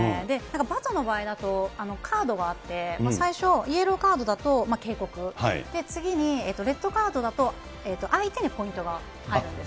バドの場合だとカードがあって、最初、イエローカードだと警告、次にレッドカードだと相手にポイントが入るんですね。